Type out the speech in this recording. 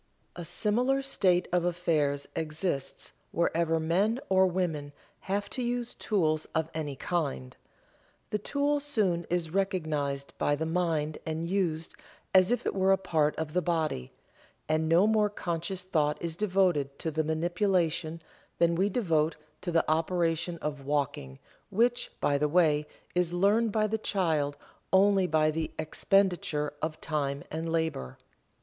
A similar state of affairs exists wherever men or women have to use tools of any kind. The tool soon is recognized by the mind and used as if it were a part of the body, and no more conscious thought is devoted to the manipulation than we devote to the operation of walking, which, by the way, is learned by the child only by the expenditure of time and labor.